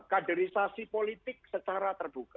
kaderisasi politik secara terbuka